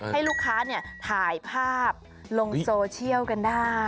ให้ลูกค้าถ่ายภาพลงโซเชียลกันได้